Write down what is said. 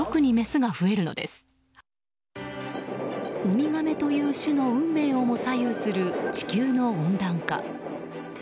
ウミガメという種の運命をも左右する地球の温暖化。